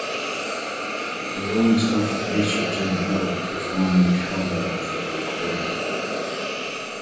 The Rolling Stones' producer Jimmy Miller performed the cowbell for the recording.